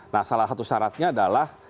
nah salah satu syaratnya adalah